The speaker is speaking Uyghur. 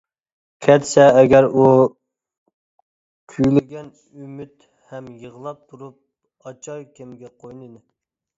كەتسە ئەگەر ئۇ كۈيلىگەن ئۈمىد ھەم يىغلاپ تۇرۇپ ئاچار كىمگە قوينىنى.